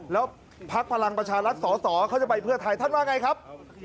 แล้วพักพลังประชารัฐสอสอเขาจะไปเพื่อไทยท่านว่าไงครับ